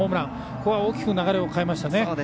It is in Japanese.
ここは大きく流れを変えましたね。